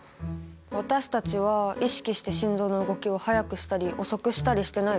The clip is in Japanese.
私たちは意識して心臓の動きを速くしたり遅くしたりしてないですよね。